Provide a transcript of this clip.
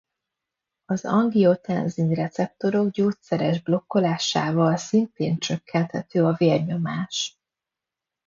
Az angiotenzin-receptorok gyógyszeres blokkolásával szintén csökkenthető a vérnyomás.